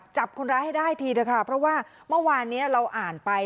จับคนร้ายให้ได้ทีเถอะค่ะเพราะว่าเมื่อวานนี้เราอ่านไป